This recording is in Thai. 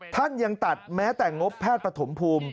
ท่านยังตัดแม้แต่งบแพทย์ปฐมภูมิ